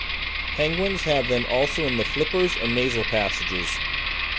Penguins have them also in the flippers and nasal passages.